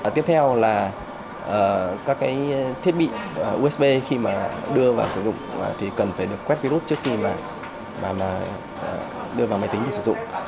tiếp theo là các thiết bị usb khi đưa vào sử dụng thì cần phải được quét virus trước khi đưa vào máy tính để sử dụng